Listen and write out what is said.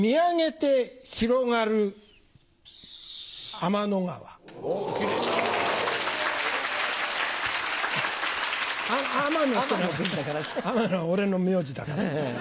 天野天野は俺の名字だから。